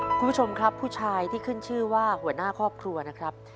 คุณผู้ชมครับผู้ชายที่ขึ้นชื่อว่าหัวหน้าครอบครัวนะครับ